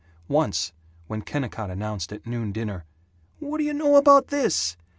Once, when Kennicott announced at noon dinner, "What do you know about this!